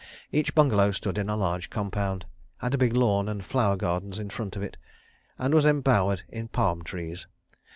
Each bungalow stood in a large compound, had a big lawn and flower gardens in front of it, and was embowered in palm trees.